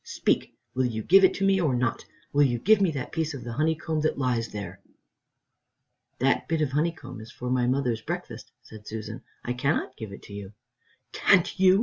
Speak! Will you give it to me or not? Will you give me that piece of the honeycomb that lies there?" "That bit of honeycomb is for my mother's breakfast," said Susan; "I cannot give it you." "Can't you?"